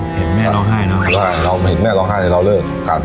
เห็นแม่ร้องไห้เนอะว่าเราเห็นแม่ร้องไห้เราเลิกกัน